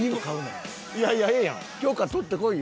許可取ってこいよ。